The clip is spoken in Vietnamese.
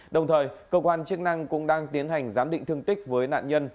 đồng thời cơ quan chức năng cũng đang tiến hành giám định thương tích với nạn nhân